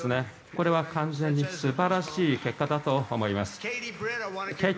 これは完全に素晴らしい結果だと思います。